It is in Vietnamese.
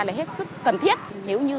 là hết sức cần thiết nếu như